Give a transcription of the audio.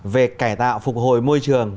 về cải tạo phục hồi môi trường